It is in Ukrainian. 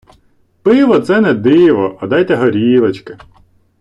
Пиво це не диво, а дайте горілочки.